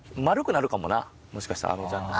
もしかしたらあのちゃんの。